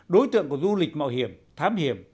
đối tượng của du lịch mạo hiểm thám hiểm